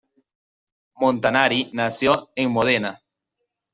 Montanari nació en Módena.